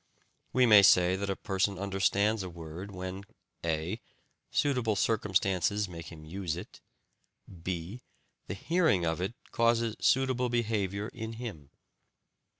We may say that a person understands a word when (a) suitable circumstances make him use it, (b) the hearing of it causes suitable behaviour in him.